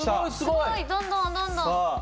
すごいどんどんどんどん。